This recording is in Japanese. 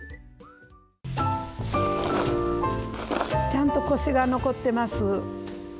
ちゃんとこしが残ってます。